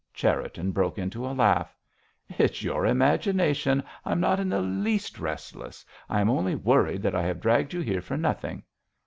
Cherriton broke into a laugh. "It's your imagination. I am not in the least restless; I am only worried that I have dragged you here for nothing.